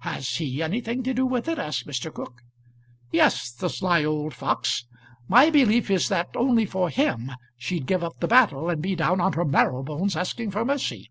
"Has he anything to do with it?" asked Mr. Cooke. "Yes; the sly old fox. My belief is that only for him she'd give up the battle, and be down on her marrow bones asking for mercy."